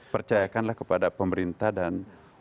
percayakanlah kepada pemerintah dan